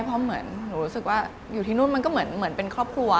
เพราะเหมือนหนูรู้สึกว่าอยู่ที่นู่นมันก็เหมือนเป็นครอบครัว